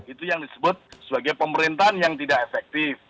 itu yang disebut sebagai pemerintahan yang tidak efektif